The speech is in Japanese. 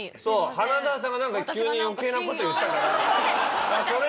花澤さんがなんか急に余計な事を言ったから。